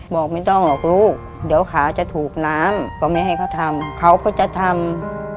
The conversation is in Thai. บอกไม่ต้องหรอกลูกเดี๋ยวขาจะถูกน้ำก็ไม่ให้เขาทำเขาก็จะทำ